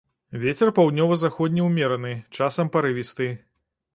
Вецер паўднёва-заходні ўмераны, часам парывісты.